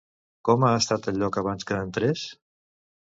Com ha estat el lloc abans que entrés?